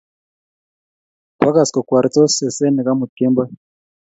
Kwagas kokwortos sesenik amut kemboi